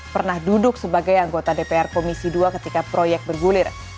pernah duduk sebagai anggota dpr komisi dua ketika proyek bergulir